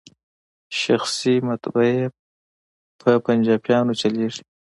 شخصي مطبعې په پنجابیانو چلیږي.